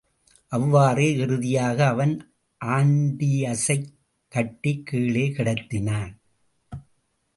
அவ்வாறே இறுதியாக அவன் ஆன்டியஸைக் கட்டிக் கீழே கிடத்தினான்.